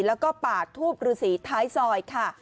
แล้วก็ปากทูบฤษีท้ายซอยค่ะ